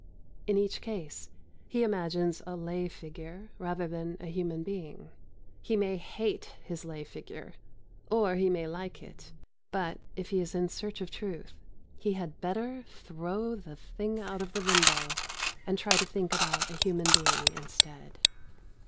In each case he imagines a lay figure rather than a human being. He may hate his lay figure or he may like it; but, if he is in search of truth, he had better throw the thing out of the window and try to think about a human being instead.